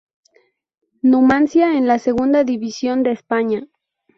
Numancia en la Segunda División de España.